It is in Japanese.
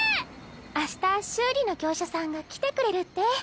明日修理の業者さんが来てくれるって。